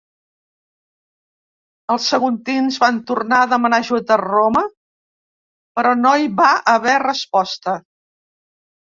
Els saguntins van tornar a demanar ajut a Roma però no hi va haver resposta.